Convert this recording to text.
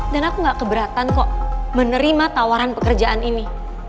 dan aku gak keberatan kok menerima tawaran pekerjaan ini